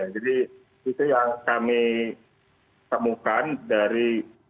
jadi itu yang kami temukan dari